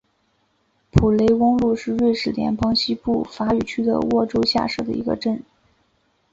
普雷翁路是瑞士联邦西部法语区的沃州下设的一个镇。